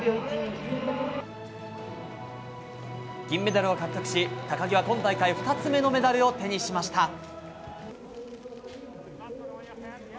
銀メダルを獲得し高木は今大会２つ目のメダルを手にしました。